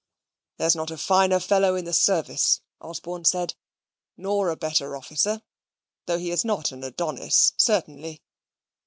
"There's not a finer fellow in the service," Osborne said, "nor a better officer, though he is not an Adonis, certainly."